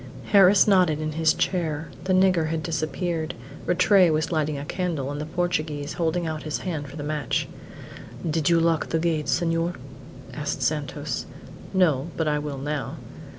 Harris nodded in his chair. The nigger had disappeared. Rattray was lighting a candle, and the Portuguese holding out his hand for the match. "Did you lock the gate, senhor?" asked Santos. "No; but I will now."